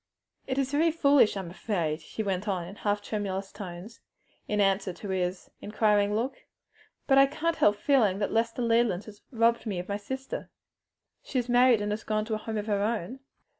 "It is very foolish, I'm afraid," she went on in half tremulous tones, in answer to his inquiring look, "but I can't help feeling that Lester Leland has robbed me of my sister." "She is married? and has gone to a home of her own?"